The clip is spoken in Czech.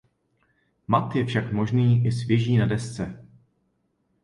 Mat je však možný i s věží na desce.